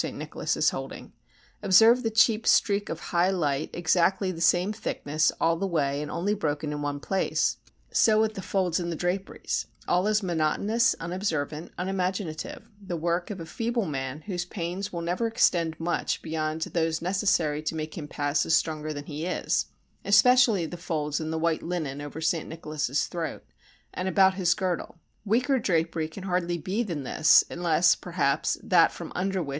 Nicholas is holding; observe the cheap streak of high light exactly the same thickness all the way and only broken in one place; so with the folds in the draperies; all is monotonous, unobservant, unimaginative—the work of a feeble man whose pains will never extend much beyond those necessary to make him pass as stronger than he is; especially the folds in the white linen over S. Nicholas's throat, and about his girdle—weaker drapery can hardly be than this, unless, perhaps, that from under which S.